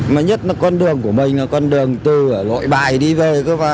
mà nhất là con đường của mình là con đường từ lội bài đi về